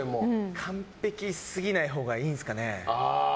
完璧すぎないほうがいいんですかね。